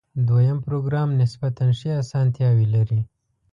دویم پروګرام نسبتاً ښې آسانتیاوې لري.